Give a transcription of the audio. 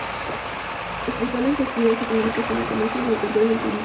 Las principales actividades económicas son el comercio, agricultura y el turismo.